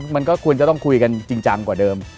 มันก็ควรจะต้องคุยกันจริงจังกว่าเดิม